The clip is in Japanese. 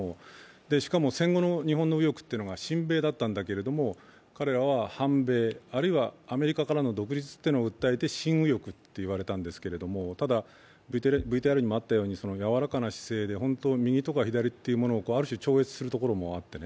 しかも戦後の学生の右翼というのは親米だったのが、彼らは反米、あるいはアメリカからの独立を訴えて新右翼と言われたんですけれども、ただ、ＶＴＲにもあったようにやわらかな姿勢で、右とか左をある種、超越するところもあって。